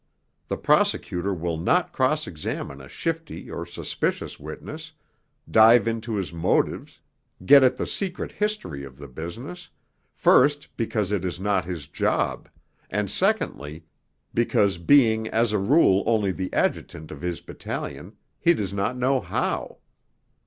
The Prosecutor will not cross examine a shifty or suspicious witness dive into his motives get at the secret history of the business, first, because it is not his job, and secondly, because being as a rule only the adjutant of his battalion, he does not know how.